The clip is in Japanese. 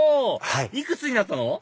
いくつになったの？